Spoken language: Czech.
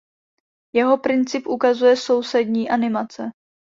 Jeho princip ukazuje sousední animace.